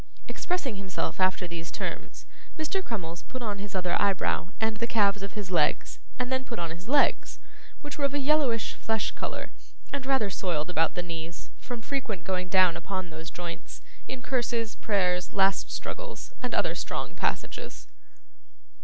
Expressing himself after these terms, Mr. Crummles put on his other eyebrow, and the calves of his legs, and then put on his legs, which were of a yellowish flesh colour, and rather soiled about the knees, from frequent going down upon those joints, in curses, prayers, last struggles, and other strong passages.